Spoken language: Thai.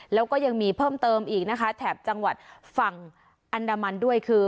แล้วก็ยังมีเพิ่มเติมอีกนะคะแถบจังหวัดฝั่งอันดามันด้วยคือ